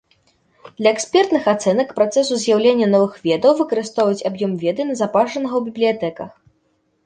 Для экспертных ацэнак працэсу з'яўлення новых ведаў выкарыстоўваюць аб'ём веды, назапашанага ў бібліятэках.